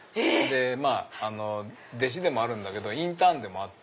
まぁ弟子でもあるんだけどインターンでもあって。